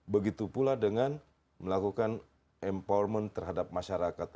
begitu pula dengan melakukan empowerment terhadap masyarakat